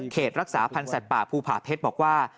รักษาพันธ์สัตว์ป่าภูผาเพชรบอกว่า